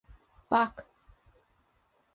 Bach.